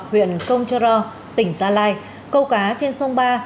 huyện công trơ ro tỉnh sa lai câu cá trên sông ba